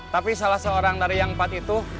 tapi salah seorang dari yang empat itu